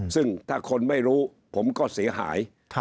ซึ่งถ้าคนไม่รู้ผมก็เสียหาย